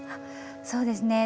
そうですね